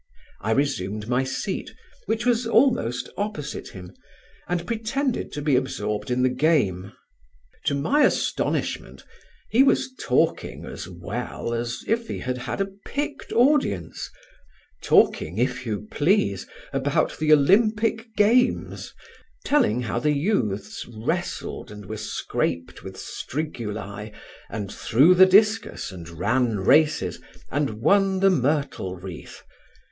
I resumed my seat, which was almost opposite him, and pretended to be absorbed in the game. To my astonishment he was talking as well as if he had had a picked audience; talking, if you please, about the Olympic games, telling how the youths wrestled and were scraped with strigulæ and threw the discus and ran races and won the myrtle wreath.